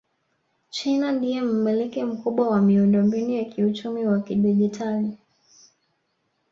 China ndiye mmiliki mkubwa wa miundombinu ya uchumi wa kidigitali